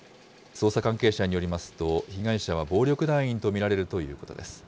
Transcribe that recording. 捜査関係者によりますと、被害者は暴力団員と見られるということです。